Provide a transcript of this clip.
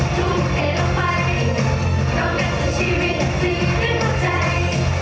ไม่เคยจำได้สักคนที่มันใด